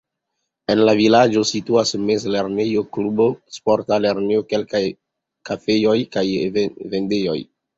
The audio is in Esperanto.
En la vilaĝo situas mezlernejo, klubo, sporta lernejo, kelkaj kafejoj kaj vendejoj.